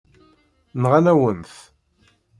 Nɣan-awen-t.